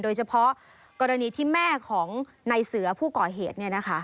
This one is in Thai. โดยเฉพาะกรณีที่แม่ของในเสือผู้ก่อเหตุ